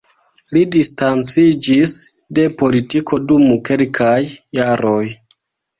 Li distanciĝis de politiko dum kelkaj jaroj.